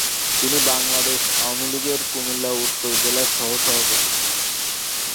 তিনি বাংলাদেশ আওয়ামী লীগের কুমিল্লা উত্তর জেলার সহ-সভাপতি।